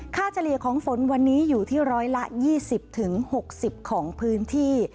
ค่าเจรียของฝนวันนี้อยู่ที่ร้อยละ๒๐๖๐ของพื้นที่